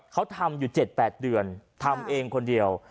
เขาทำอยู่๗๘เดือนทำเองคนเดียว